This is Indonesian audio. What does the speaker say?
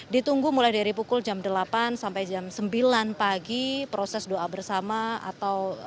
ditunggu mulai dari pukul jam delapan sampai jam sembilan pagi proses doa bersama atau